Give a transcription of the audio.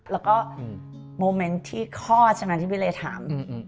แล้วก็โมเมนต์ที่คลอดที่พี่เรย์ถาม